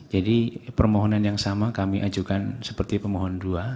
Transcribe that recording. jadi permohonan yang sama kami ajukan seperti pemohon dua